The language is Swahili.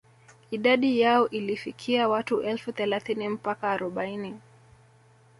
Idadi yao ilifikia watu elfu thelathini mpaka arobaini